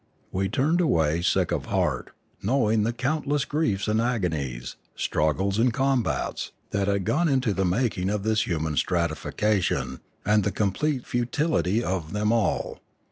We turned away sick of heart, knowing the countless griefs and agonies, struggles and combats, that had gone to the making of this human stratification, and the complete futility of them all.